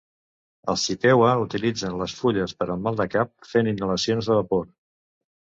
Els Chippewa utilitzaven les fulles per al mal de cap fent inhalacions de vapor.